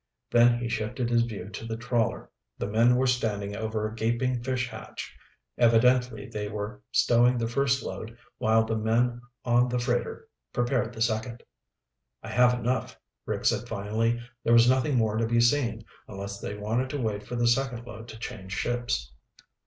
Then he shifted his view to the trawler. The men were standing over a gaping fish hatch. Evidently they were stowing the first load while the men on the freighter prepared the second. "I have enough," Rick said finally. There was nothing more to be seen, unless they wanted to wait for the second load to change ships.